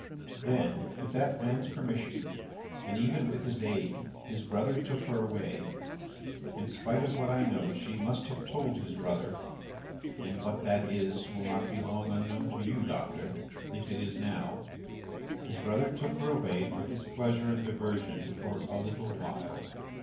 "'Then, with that man's permission and even with his aid, his brother took her away; in spite of what I know she must have told his brother and what that is, will not be long unknown to you, Doctor, if it is now his brother took her away for his pleasure and diversion, for a little while.